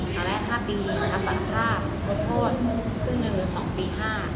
ต่อแรก๕ปีจัดการภาพรถโทษคือเงิน๒ปี๕